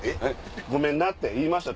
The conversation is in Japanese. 「ごめんな」って言いました